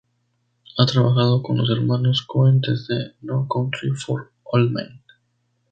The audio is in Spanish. Ha trabajado con los hermanos Coen desde "No Country for Old Men".